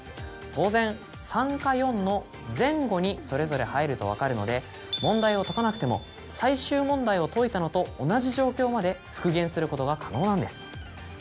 当然「３」か「４」の前後にそれぞれ入ると分かるので問題を解かなくても最終問題を解いたのと同じ状況まで復元することが可能なんです。